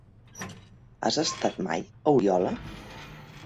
Has estat mai a Oriola?